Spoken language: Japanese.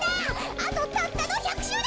あとたったの１００しゅうだ！